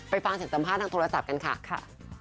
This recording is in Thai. ไปฟังเสียงจำพาททางโทรศัพท์กันค่ะ